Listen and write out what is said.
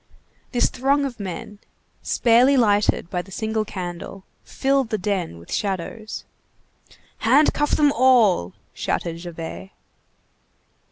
This throng of men, sparely lighted by the single candle, filled the den with shadows. "Handcuff them all!" shouted Javert.